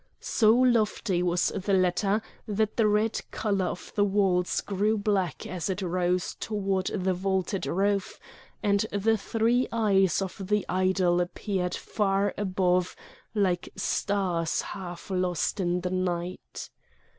So lofty was the latter that the red colour of the walls grew black as it rose towards the vaulted roof, and the three eyes of the idol appeared far above like stars half lost in the night.